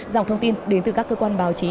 dòng thông tin đến từ các cơ quan báo chí